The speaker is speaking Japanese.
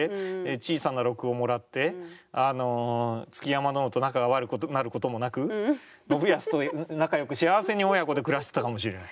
小さな禄をもらって築山殿と仲が悪くなることもなく信康と仲よく幸せに親子で暮らしてたかもしれない。